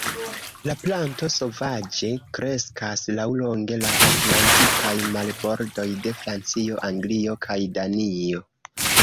La planto sovaĝe kreskas laŭlonge la atlantikaj marbordoj de Francio, Anglio kaj Danio.